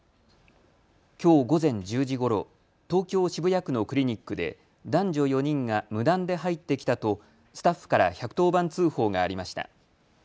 きょう午前１０時ごろ、東京渋谷区のクリニックで男女４人が無断で入ってきたとスタッフから１１０番通報がありました。